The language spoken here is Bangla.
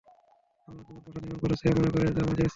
আর তোমরা প্রাসাদ নির্মাণ করছ এ মনে করে যে, তোমরা চিরস্থায়ী হবে?